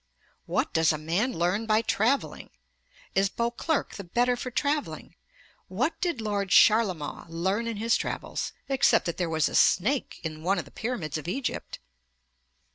"What does a man learn by travelling? Is Beauclerk the better for travelling? What did Lord Charlemont learn in his travels, except that there was a snake in one of the pyramids of Egypt?"'